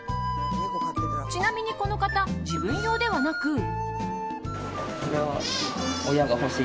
ちなみにこの方自分用ではなく。